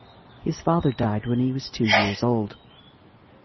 His father died when he was two-years old.